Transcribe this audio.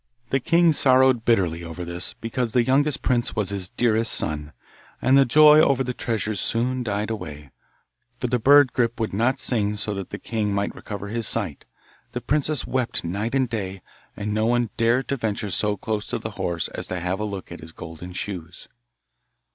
The king sorrowed bitterly over this, because the youngest prince was his dearest son, and the joy over the treasures soon died away, for the bird Grip would not sing so that the king might recover his sight, the princess wept night and day, and no one dared to venture so close to the horse as to have a look at his golden shoes.